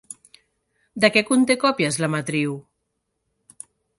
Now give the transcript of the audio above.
De què conté còpies la matriu?